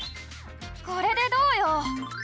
これでどうよ！